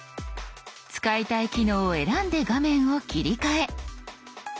使いたい機能を選んで画面を切り替え。